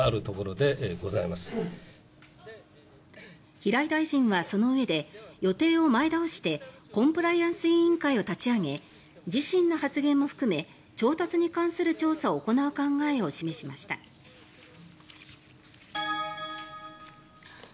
平井大臣はそのうえで予定を前倒してコンプライアンス委員会を立ち上げ自身の発言を含め調達に関する調査を行う考えを示しました。